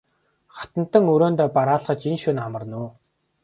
Хатантан өргөөндөө бараалхаж энэ шөнө амарна уу?